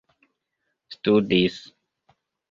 studis